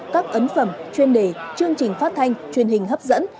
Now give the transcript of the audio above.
các ấn phẩm chuyên đề chương trình phát thanh truyền hình hấp dẫn